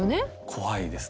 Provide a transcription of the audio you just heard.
怖いですね。